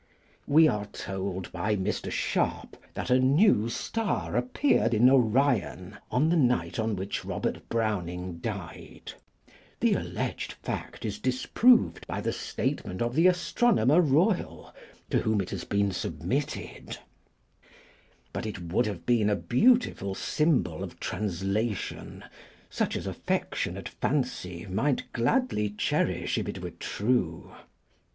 We are told by Mr. Sharp that a new star appeared in Orion on the night on which Robert Browning died. The alleged fact is disproved by the statement of the Astronomer Royal, to whom it has been submitted; but it would have been a beautiful symbol of translation, such as affectionate fancy might gladly cherish if it were true.